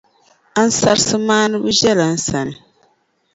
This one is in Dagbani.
ansarisi maaniba ʒiɛla n sani.